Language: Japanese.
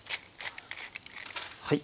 はい。